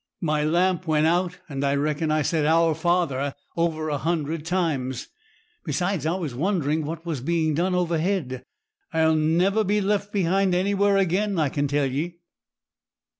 My lamp went out, and I reckon I said "Our Father" over a hundred times. Besides, I was wondering what was being done overhead. I'll never be left behind anywhere again, I can tell ye.'